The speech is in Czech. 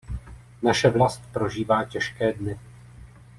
Naše vlast prožívá těžké dny.